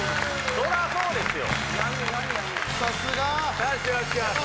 そらそうですよ。